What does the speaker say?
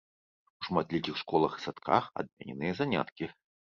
У шматлікіх школах і садках адмененыя заняткі.